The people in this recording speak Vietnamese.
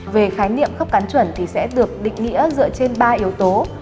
về khái niệm khớp cắn chuẩn thì sẽ được định nghĩa dựa trên ba yếu tố